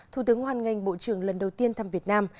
thủ tướng hoan nghênh bộ trưởng lần đầu tiên thăm việt nam